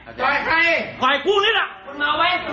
ปรากฏว่าสิ่งที่เกิดขึ้นคือคลิปนี้ฮะ